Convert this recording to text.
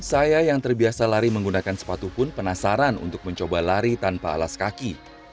saya yang terbiasa lari menggunakan sepatu pun penasaran untuk mencoba lari tanpa alas kaki